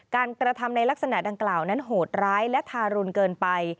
กระทำในลักษณะดังกล่าวนั้นโหดร้ายและทารุณเกินไป